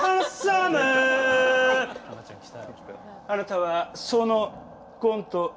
あなたはそのコント